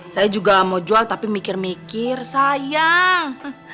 saya juga mau jual tapi mikir mikir sayang